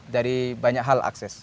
dari banyak hal akses